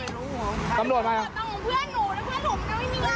มันใช่เหรอพี่ตำลวดไงตำลวดของเพื่อนหนูนะครับ